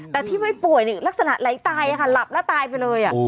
แต่ที่ไม่ป่วยลักษณะไหลตายค่ะหลับแล้วตายไปเลย